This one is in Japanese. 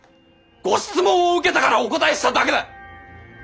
ご質問を受けたからお答えしただけだ。